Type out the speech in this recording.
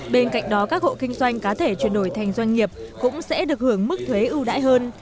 bên cạnh đó các hộ kinh doanh cá thể chuyển đổi thành doanh nghiệp cũng sẽ được hưởng mức thuế ưu đãi hơn